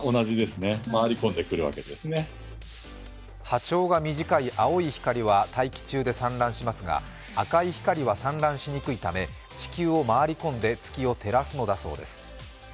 波長が短い青い光は大気中で散乱しますが赤い光は散乱しにくいため、地球を回り込んで月を照らすのだそうです。